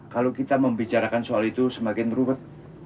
kalau kita membicarakan soal itu semakin ruwet